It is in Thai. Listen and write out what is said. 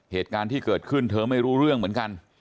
เหตุการณ์ที่เกิดขึ้นเธอไม่รู้เรื่องเหมือนกัน